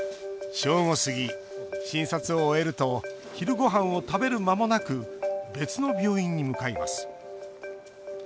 正午過ぎ、診察を終えると昼ごはんを食べる間もなく別の病院に向かいます。